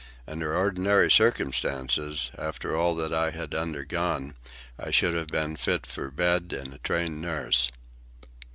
Under ordinary circumstances, after all that I had undergone, I should have been fit for bed and a trained nurse.